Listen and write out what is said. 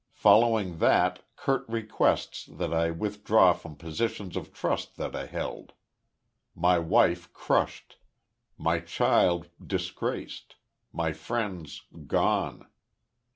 Following that, curt requests that I withdraw from positions of trust that I held. My wife crushed my child disgraced my friends gone